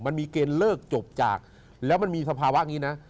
มันมีเกณฑ์เลิกจบจากแล้วมันมีสภาวะอย่างนี้นะ